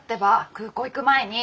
空港行く前に！